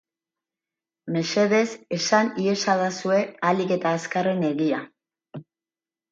Mesedez esan iezadazue ahalik eta azkarren egia.